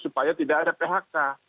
supaya tidak ada phk